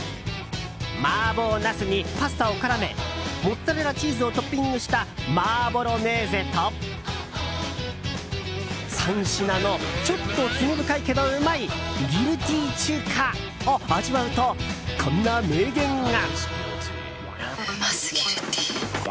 マーボーナスにパスタを絡めモッツァレラチーズをトッピングしたマーボロネーゼと３品のちょっと罪深いけどうまいギルティ中華を味わうとこんな名言が。